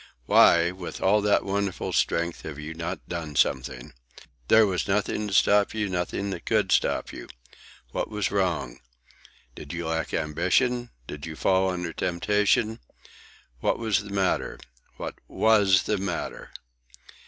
Why, with all that wonderful strength, have you not done something? There was nothing to stop you, nothing that could stop you. What was wrong? Did you lack ambition? Did you fall under temptation? What was the matter? What was the matter?"